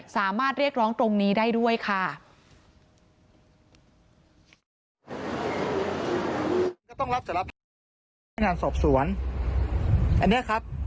สามารถเรียกร้องตรงนี้ได้ด้วยค่ะ